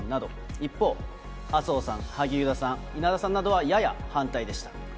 一方、麻生さん、萩生田さん、稲田さんなどは、やや反対でした。